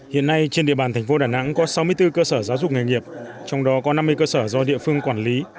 hiện nay trên địa bàn thành phố đà nẵng có sáu mươi bốn cơ sở giáo dục nghề nghiệp trong đó có năm mươi cơ sở do địa phương quản lý